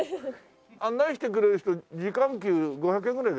案内してくれる人時間給５００円ぐらいで頼めねえかな。